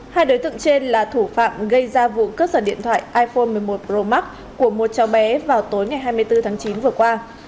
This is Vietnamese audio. hai đối tượng trên là thủ phạm gây ra vụ cướp sở điện thoại iphone một mươi một pro max của một cháu bé vào tối ngày hai mươi bốn tháng chín vừa qua